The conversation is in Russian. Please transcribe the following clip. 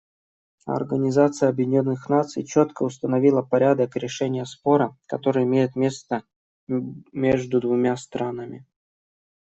Организация Объединенных Наций четко установила порядок решения спора, который имеет место между двумя странами.